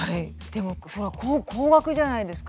でも高額じゃないですか。